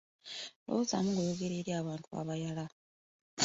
Lowoozaamu ng'oyogera eri abantu abayala!